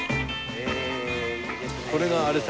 これがあれです